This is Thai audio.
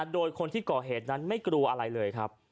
โดยคนที่ก่อเหตุนั้นไม่กลัวอะไรเลยครับ